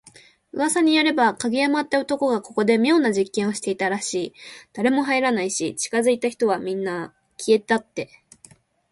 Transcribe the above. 噂によれば、影山って男がここで妙な実験をしてたらしい。誰も入らないし、近づいた人はみんな…消えたって。